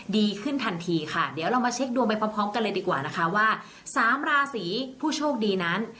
ดีขึ้นทันทีค่ะเดี๋ยวเรามาเช็คดวงไปพร้อมกันเลยดีกว่านะคะว่าสามราศีผู้โชคดีนั้น